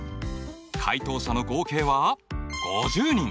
回答者の合計は５０人。